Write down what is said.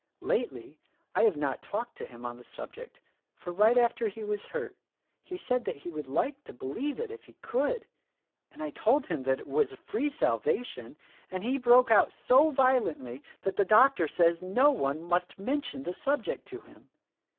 Lately, I have not talked to him on the subject; for right after he was hurt he said that he would like to believe it if he could, and I told him that it was a free salvation, and he broke out so violently that the doctor says no one must mention the subject to him.